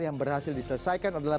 yang berhasil diselesaikan adalah